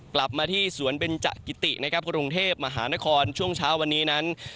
กลับมาที่สวนเบนจกิตินะครับกรุงเทพมหานครช่วงเช้าวันนี้นั้น